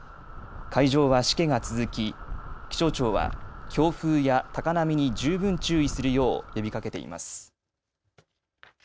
海上はしけが続き気象庁は強風や高波に十分注意するよう呼びかけています。